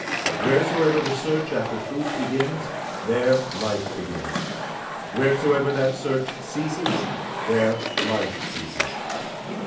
Wheresoever the search after truth begins, there life begins; wheresoever that search ceases, there life ceases.